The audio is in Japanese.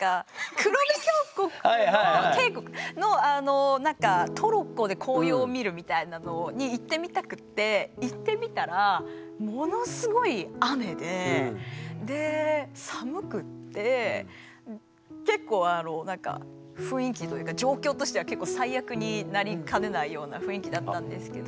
黒部峡谷のトロッコで紅葉を見るみたいなのに行ってみたくて行ってみたら結構雰囲気というか状況としては結構最悪になりかねないような雰囲気だったんですけど。